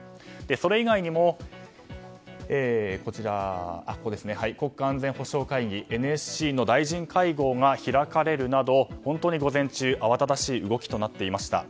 それ以外にも国家安全保障会議・ＮＳＣの大臣会合が開かれるなど本当に午前中慌ただしい動きとなっていました。